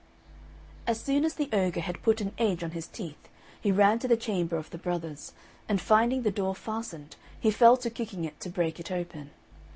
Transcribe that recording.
As soon as the ogre had put an edge on his teeth he ran to the chamber of the brothers, and finding the door fastened, he fell to kicking it to break it open.